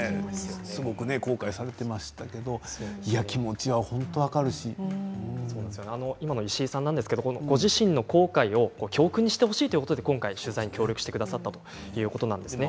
すごく後悔されていましたけれど今の石井さんなんですがご自身の後悔を教訓にしてほしいということで今回、取材に協力してくださったということなんですね。